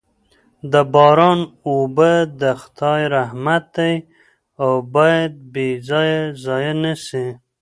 د باران اوبه د خدای رحمت دی او باید بې ځایه ضایع نه سي.